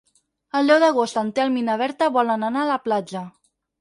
El deu d'agost en Telm i na Berta volen anar a la platja.